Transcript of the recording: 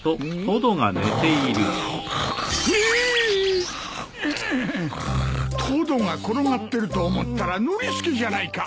トドが転がってると思ったらノリスケじゃないか。